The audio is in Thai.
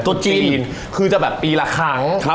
จีนคือจะแบบปีละครั้ง